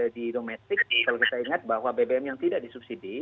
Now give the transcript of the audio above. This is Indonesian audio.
di domestik kalau kita ingat bahwa bbm yang tidak disubsidi